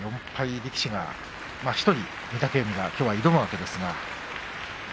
力士の１人御嶽海がきょうは挑むわけですが。